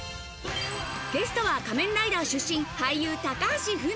ゲストは『仮面ライダー』出身、俳優・高橋文哉。